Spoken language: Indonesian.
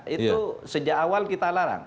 itu sejak awal kita larang